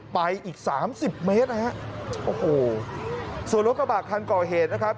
ไปอีกสามสิบเมตรนะฮะโอ้โหส่วนรถกระบะคันก่อเหตุนะครับ